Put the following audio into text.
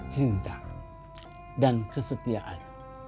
cinta dan kesetiaan